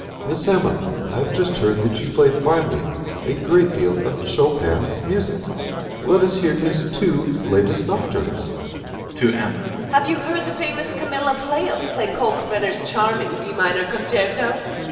Miss Emma, I have just heard that you play finely a great deal of Chopin's music. Let us hear his two latest nocturnes. MRS. GOLD (to Emma). Have you heard the famous Camilla Pleyel play Kalkbrenner's charming D minor concerto?